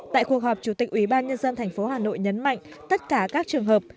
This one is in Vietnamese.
tại cuộc họp chủ tịch ủy ban nhân dân tp hà nội nhấn mạnh tất cả các trường hợp